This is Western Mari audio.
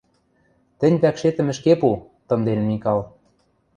Тӹнь вӓкшетӹм ӹшке пу, — тымден Микал.